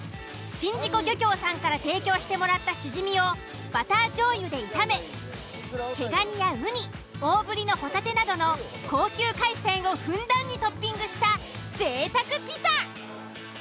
宍道湖漁協さんから提供してもらったシジミをバター醤油で炒め毛蟹やウニ大ぶりのホタテなどの高級海鮮をふんだんにトッピングした贅沢ピザ！